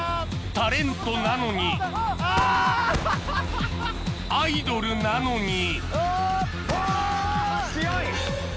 タレントなのにアイドルなのにおぉ強い！